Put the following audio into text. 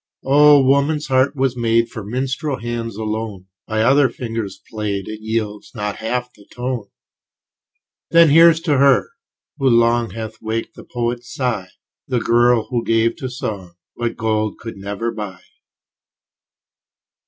Oh! woman's heart was made For minstrel hands alone; By other fingers played, It yields not half the tone. Then here's to her, who long Hath waked the poet's sigh, The girl who gave to song What gold could never buy.